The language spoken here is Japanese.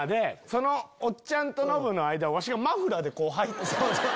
そのおっちゃんとノブの間をわしがマフラーでこう入って。